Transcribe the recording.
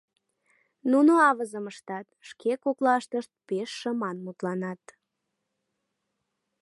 Нуно авызым ыштат, шке коклаштышт пеш шыман мутланат.